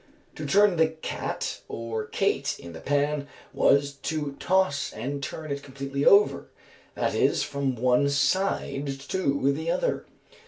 To turn the cat or cate in the pan was to toss and turn it completely over, that is, from one side to the other.